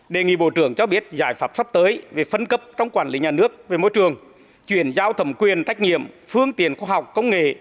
đề nghị bộ trưởng cho biết giải pháp sắp tới về phân cấp trong quản lý nhà nước về môi trường chuyển giao thẩm quyền trách nhiệm phương tiền khoa học công nghệ